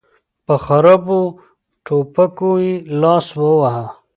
په خرابو ټوپکو يې لاس وواهه.